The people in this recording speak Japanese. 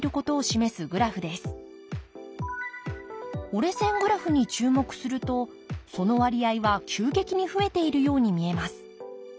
折れ線グラフに注目するとその割合は急激に増えているように見えます。